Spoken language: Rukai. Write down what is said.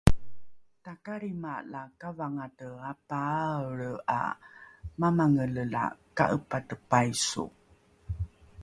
takalrima la kavangate apaaelre ’a mamangele la ka’epate paiso